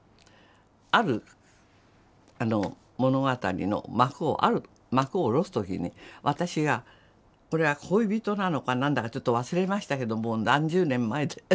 ある物語の幕をある幕を下ろす時に私がこれは恋人なのか何だかちょっと忘れましたけどもう何十年も前で。